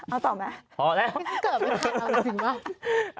เอาต่อมั้ยพี่ฟิกเกิร์ดเป็นใครเอาจริงหรอ